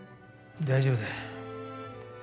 大丈夫だ。